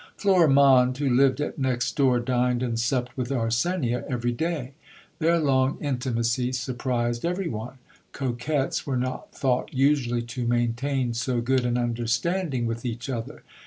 Florimonde, who lived at next door, dined and supped with Arsenia every day. Their long intimacy surprised every one. Coquets were not thought usually to maintain so good an understanding with each other.